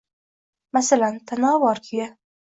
Masalan, Tanavor kuyi.